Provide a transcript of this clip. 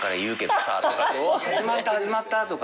始まった始まったとか。